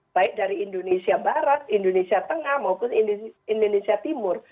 baik dari indonesia barat indonesia tengah maupun indonesia timur